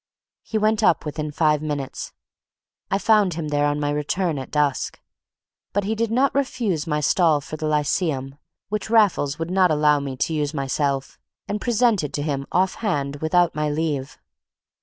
He went up within five minutes. I found him there on my return at dusk. But he did not refuse my stall for the Lyceum, which Raffles would not allow me to use myself, and presented to him off hand without my leave.